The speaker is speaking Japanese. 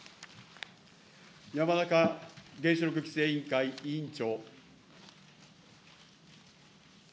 山中原子力規制委員会委員長。